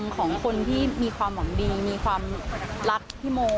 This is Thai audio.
ของคนที่มีความหวังดีมีความรักพี่โม